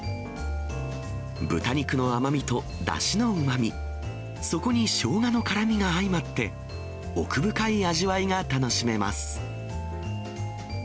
豚肉の甘みと、だしのうまみ、そこにしょうがの辛みが相まって、奥深い味わいが楽しめます。